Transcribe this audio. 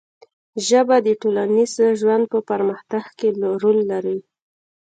ژبه د ټولنیز ژوند په پرمختګ کې رول لري